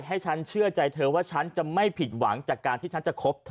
ให้ฉันเชื่อใจเธอว่าฉันจะไม่ผิดหวังจากการที่ฉันจะคบเธอ